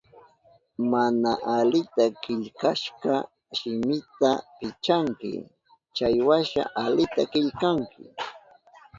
Mana alita killkashka shimita pichanki, chaywasha alita killkanki.